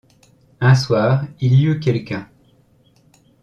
Un soir, il y eut quelqu’un.